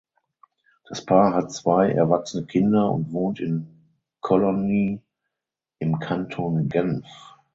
Das Paar hat zwei erwachsene Kinder und wohnt in Cologny im Kanton Genf.